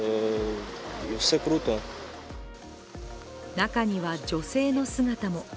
中には女性の姿も。